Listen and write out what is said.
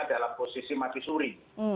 dalam posisi mati suri